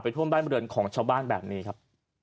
ท่วมบ้านบริเวณของชาวบ้านแบบนี้ครับ